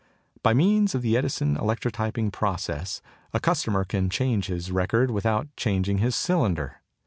By means of the Edison electrotyping process a customer can change his record without changing his cylinder.